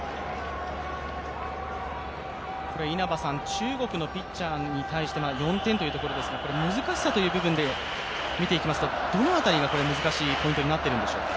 中国のピッチャーに対して４点というところですが、難しさという部分で見ていきますと、どの辺りが難しいポイントになっているんでしょうか？